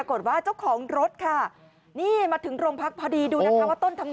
ก็ไม่ต้องขายแล้วก็ติดเลยครับ